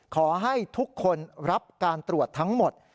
ขอให้ทุกคนรับการตรวจทั้งหมด